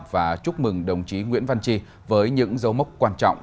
và chúc mừng đồng chí nguyễn văn chi với những dấu mốc quan trọng